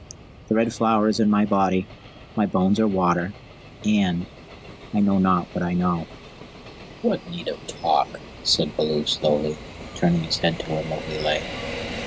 The Red Flower is in my body, my bones are water and I know not what I know." "What need of talk?" said Baloo slowly, turning his head to where Mowgli lay.